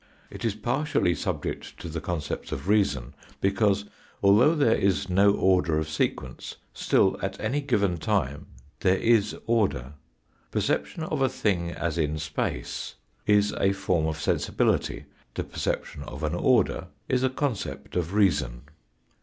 It is par tially subject to the concepts of reason because, although there is no order of sequence, still at any given time there is order. Perception of a thing as in space is a form of sensibility, the perception of an order is a concept of reason.